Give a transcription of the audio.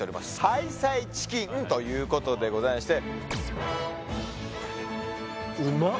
ハイサイチキンということでございましてうまっ！